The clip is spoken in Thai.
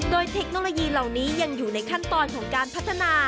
โดยเทคโนโลยีเหล่านี้ยังอยู่ในขั้นตอนของการพัฒนา